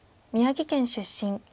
宮城県出身。